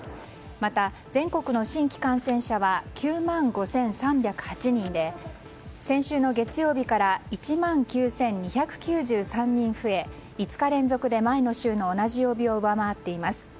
また、全国の新規感染者は９万５３０８人で先週の月曜日から１万９２９３人増え５日連続で前の週の同じ曜日を上回っています。